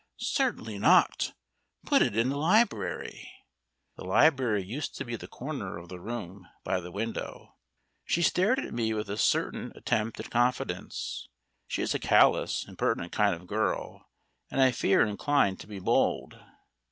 Certainly not. Put it in the library." (The library used to be the corner of the room by the window.) She stared at me with a certain attempt at confidence. She is a callous, impertinent kind of girl, and I fear inclined to be bold.